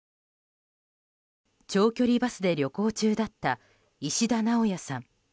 長距離バスで旅行中だった石田直也さん。